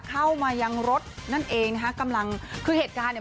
เข้ามายังรถนั่นเองนะคะกำลังคือเหตุการณ์เนี่ย